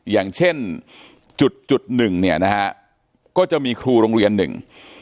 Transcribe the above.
อย่างเช่นจุดจุดหนึ่งเนี่ยนะฮะก็จะมีครูโรงเรียนหนึ่ง